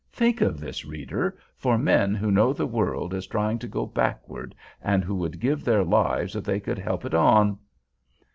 Think of this, reader, for men who know the world is trying to go backward, and who would give their lives if they could help it on!